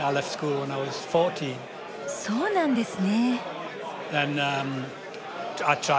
そうなんですね。